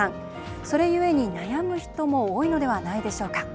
それゆえに、悩む人も多いのではないでしょうか。